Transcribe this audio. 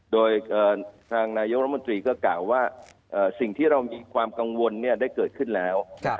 โดยทางนายกรมนตรีก็กล่าวว่าสิ่งที่เรามีความกังวลได้เกิดขึ้นแล้ว